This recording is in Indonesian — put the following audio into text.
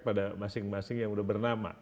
pada masing masing yang sudah bernama